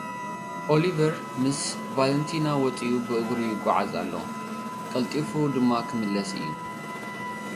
ኦሊቨር ምስ ቫለንቲና ወጺኡ ብእግሪ ይጉዓዝ ኣሎ፡ ቀልጢፉ ድማ ክምለስ እዩ።